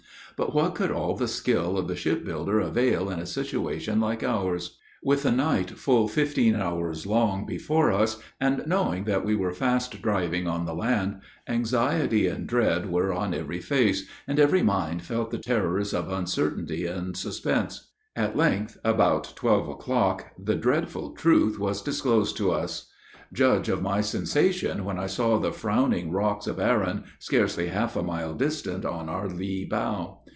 But what could all the skill of the ship builder avail in a situation like ours? With a night full fifteen hours long before us, and knowing that we were fast driving on the land, anxiety and dread were on every face, and every mind felt the terrors of uncertainty and suspense. At length, about twelve o'clock, the dreadful truth was disclosed to us! Judge of my sensation when I saw the frowning rocks of Arran, scarcely half a mile distant on our lee bow.